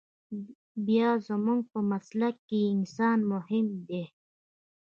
بيا زموږ په مسلک کښې انسان مهم ديه.